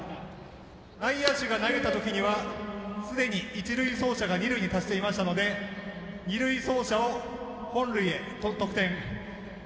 内野手が投げたときにはすでに一塁走者が二塁に達していましたので二塁走者を本塁へと、得点。